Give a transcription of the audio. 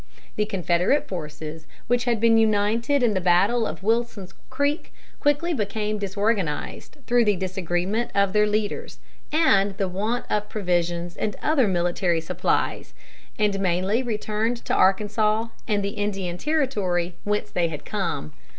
The Confederate forces which had been united in the battle of Wilson's Creek quickly became disorganized through the disagreement of their leaders and the want of provisions and other military supplies, and mainly returned to Arkansas and the Indian Territory, whence they had come.